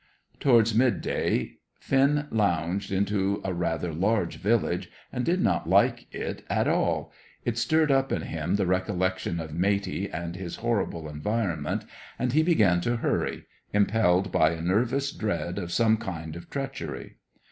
Towards midday Finn lounged into a rather large village, and did not like it at all. It stirred up in him the recollection of Matey and his horrible environment, and he began to hurry, impelled by a nervous dread of some kind of treachery.